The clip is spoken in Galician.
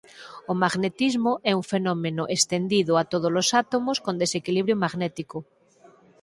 O magnetismo é un fenómeno estendido a tódolos átomos con desequilibrio magnético.